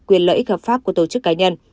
quyền lợi ích hợp pháp của tổ chức cá nhân